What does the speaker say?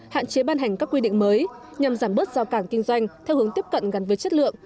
hạn chế ban hành các quy định mới nhằm giảm bớt giao cảng kinh doanh theo hướng tiếp cận gắn với chất lượng